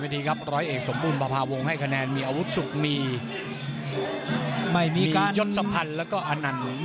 ต้นกับปลายว่าอย่างนั้นเถอะ